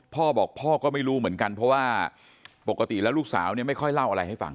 พ่อบอกพ่อก็ไม่รู้เหมือนกันเพราะว่าปกติแล้วลูกสาวเนี่ยไม่ค่อยเล่าอะไรให้ฟัง